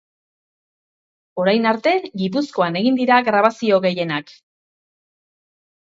Orain arte Gipuzkoan egin dira grabazio gehienak.